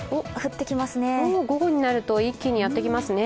午後になると一気にやってきますね。